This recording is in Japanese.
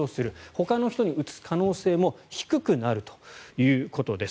ほかの人にうつす可能性も低くなるということです。